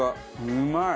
うまい！